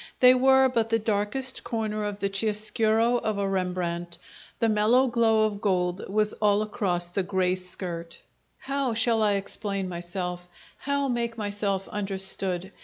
They were but the darkest corner of the chiaroscuro of a Rembrandt the mellow glow of gold was all across the grey skirt. How shall I explain myself, how make myself understood?